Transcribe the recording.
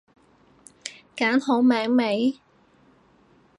揀好名未？